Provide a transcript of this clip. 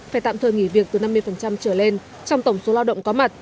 phải tạm thời nghỉ việc từ năm mươi trở lên trong tổng số lao động có mặt